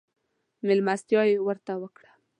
مېلمستيا يې ورته وکړه.